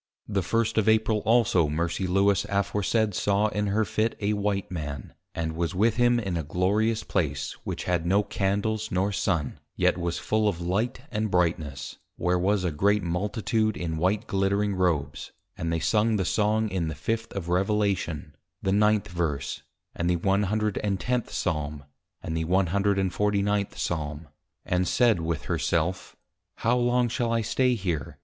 _ The first of April also Mercy Lewis aforesaid saw in her Fit a White Man, and was with him in a glorious Place, which had no Candles nor Sun, yet was full of Light and Brightness; where was a great Multitude in White glittering Robes, and they Sung the Song in the fifth of Revelation, the 9th verse, and the 110 Psalm, and the 149 Psalm; and said with her self, _How long shall I stay here!